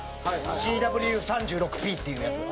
ＣＷＵ−３６Ｐっていうやつ。